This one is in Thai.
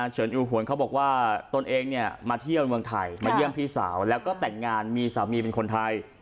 เชิญอูหวนเขาบอกว่าตนเองเนี่ยมาเที่ยวเมืองไทยมาเยี่ยมพี่สาวแล้วก็แต่งงานมีสามีเป็นคนไทย